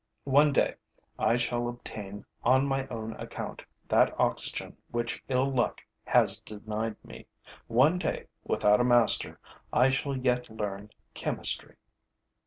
One day, I shall obtain on my own account that oxygen which ill luck has denied me; one day, without a master, I shall yet learn chemistry.